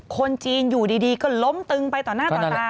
คนจีนอยู่ดีก็ล้มตึงไปต่อหน้าต่อตา